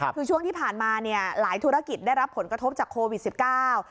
คือช่วงที่ผ่านมาเนี่ยหลายธุรกิจได้รับผลกระทบจากโควิดสิบเก้า